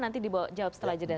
nanti dibawa jawab setelah jeda